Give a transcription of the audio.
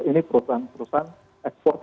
ini perusahaan perusahaan ekspor